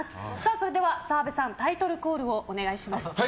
それでは澤部さんタイトルコールをお願いします。